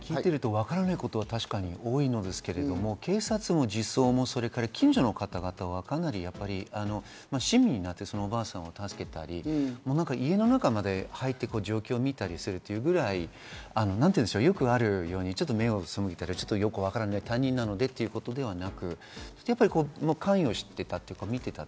わからないことが多いんですけれども、警察も児相も近所の方々はかなり親身になって、おばあさんを助けたり家の中まで入って状況を見たりするというくらい、よくあるように目をそむいたり、よくわからない他人なのでということではなく、関与していた、見ていた。